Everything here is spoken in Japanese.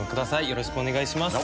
よろしくお願いします。